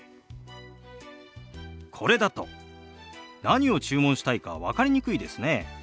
これだと何を注文したいか分かりにくいですね。